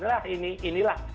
lah ini inilah